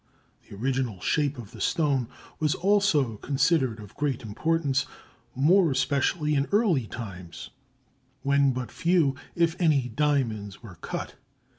The original shape of the stone was also considered of great importance, more especially in early times, when but few, if any, diamonds, were cut.